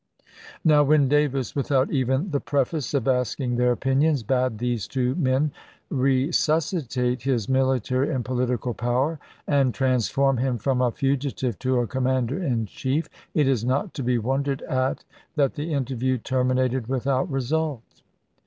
Now when Davis, without even the preface p shl of asking their opinions, bade these two men resus citate his military and political power and trans form him from a fugitive to a commander in chief, it is not to be wondered at that the interview terminated without result.